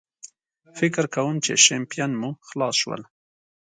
فکر کوم چې شیمپین مو خلاص شول.